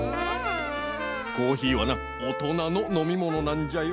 コーヒーはなおとなののみものなんじゃよ。